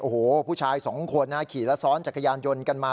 โอ้โหผู้ชายสองคนขี่และซ้อนจักรยานยนต์กันมา